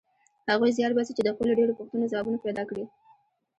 هغوی زیار باسي چې د خپلو ډېرو پوښتنو ځوابونه پیدا کړي.